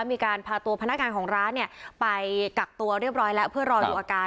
มีการพาตัวพนักงานของร้านไปกักตัวเรียบร้อยแล้วเพื่อรอดูอาการ